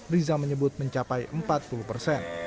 riza menyebut mencapai empat puluh persen